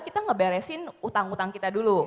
kita ngeberesin utang utang kita dulu